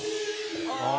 ああ！